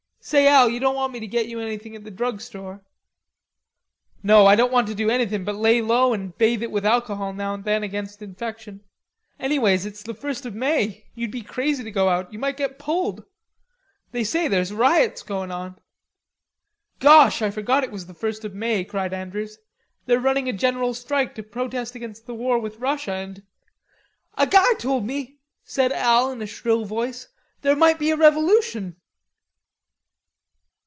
"Say, Al, do you want me to get you anything at the drug store?" "No. I won't do anythin' but lay low and bathe it with alcohol now and then, against infection. Anyways, it's the first of May. You'll be crazy to go out. You might get pulled. They say there's riots going on." "Gosh, I forgot it was the first of May," cried Andrews. "They're running a general strike to protest against the war with Russia and...." "A guy told me," interrupted Al, in a shrill voice, "there might be a revolution."